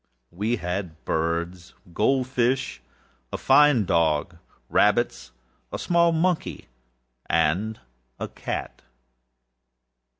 We had birds, gold fish, a fine dog, rabbits, a small monkey, and a cat.